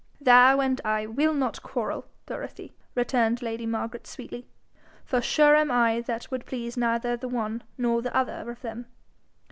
'Thou and I will not quarrel, Dorothy,' returned lady Margaret sweetly; 'for sure am I that would please neither the one nor the other of them.'